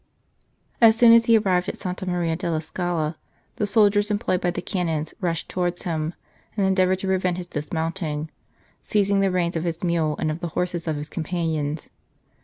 As soon as he arrived at Santa Maria della Scala, the soldiers employed by the Canons rushed towards him, and endeavoured to prevent his dis mounting, seizing the reins of his mule and of the horses of his companions.